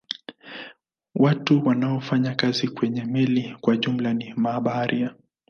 Watu wanaofanya kazi kwenye meli kwa jumla ni mabaharia.